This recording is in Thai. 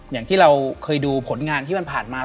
อย่างที่เราเคยดูผลงานที่มันผ่านมา